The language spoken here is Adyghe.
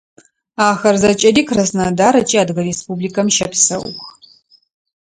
Ахэр зэкӏэри Краснодар ыкӏи Адыгэ Республикэм щэпсэух.